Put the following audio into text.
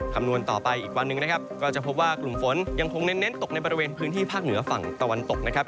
คำนวณต่อไปอีกวันหนึ่งนะครับก็จะพบว่ากลุ่มฝนยังคงเน้นตกในบริเวณพื้นที่ภาคเหนือฝั่งตะวันตกนะครับ